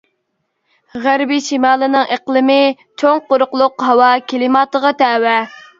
غەربى شىمالىنىڭ ئىقلىمى چوڭ قۇرۇقلۇق ھاۋا كىلىماتىغا تەۋە.